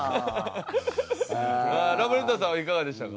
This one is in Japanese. ラブレターズさんはいかがでしたか？